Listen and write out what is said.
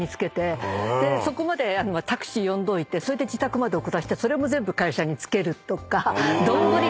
そこまでタクシー呼んどいてそれで自宅まで送らせてそれも全部会社に付けるとか。